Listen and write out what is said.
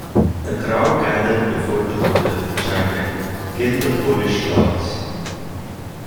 The crowd gathered before the hotel chanted Kill the Polish dogs!